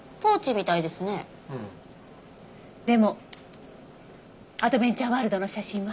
でもアドベンチャーワールドの写真は。